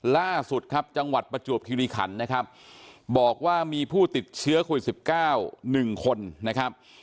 ล่าสุดครับจังหวัดประจวบคิริขันนะครับบอกว่ามีผู้ติดเชื้อโควิด๑๙๑คนนะครับ